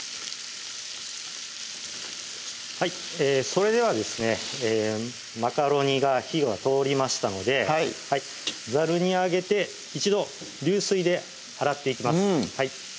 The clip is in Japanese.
それではですねマカロニが火が通りましたのではいざるにあげて一度流水で洗っていきます